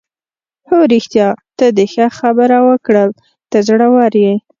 هو رښتیا، ته دې ښه خبره وکړل، ته زړوره یې.